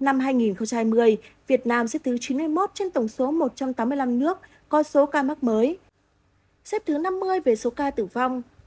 năm hai nghìn hai mươi việt nam xếp thứ chín mươi một trên tổng số một trăm tám mươi năm nước có số ca mắc mới xếp thứ năm mươi về số ca tử vong